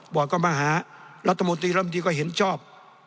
บอร์ดก็มาหารัฐมนตรีรัฐมนตรีก็เห็นชอบ